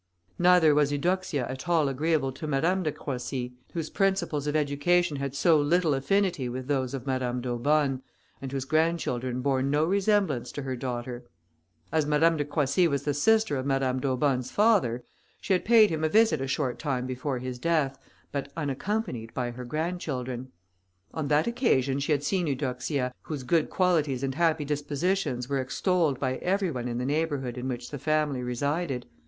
Neither was Eudoxia at all agreeable to Madame de Croissy, whose principles of education had so little affinity with those of Madame d'Aubonne, and whose grandchildren bore no resemblance to her daughter. As Madame de Croissy was the sister of Madame d'Aubonne's father, she had paid him a visit a short time before his death, but unaccompanied by her grandchildren. On that occasion she had seen Eudoxia, whose good qualities and happy dispositions were extolled by every one in the neighbourhood in which the family resided.